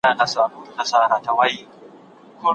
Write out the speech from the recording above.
لوی برخلیک یوازي په مهارت پوري نه سي تړل کېدلای.